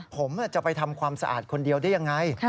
ผมจะไปทำความสะอาดคนเดียวได้ยังไง